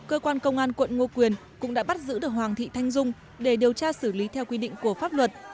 cơ quan công an quận ngô quyền cũng đã bắt giữ được hoàng thị thanh dung để điều tra xử lý theo quy định của pháp luật